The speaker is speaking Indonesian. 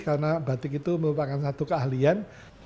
karena batik itu merupakan satu keahlian